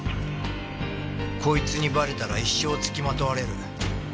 こいつにバレたら一生つきまとわれる。